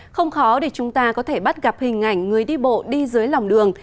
không khó để chúng ta có thể bắt gặp hình ảnh người đi bộ đi dưới lòng đường